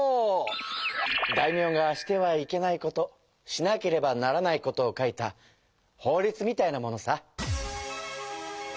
大名がしてはいけないことしなければならないことを書いた法りつみたいなものさ。